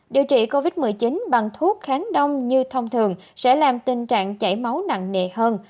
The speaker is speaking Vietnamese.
điều trị covid một mươi chín bằng thuốc kháng đông như thông thường sẽ làm tình trạng chảy máu nặng nề hơn